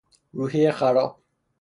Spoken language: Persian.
روحیهی خراب